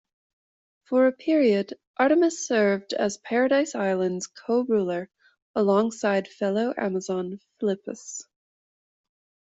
For a period Artemis served as Paradise Island's co-ruler alongside fellow Amazon Philippus.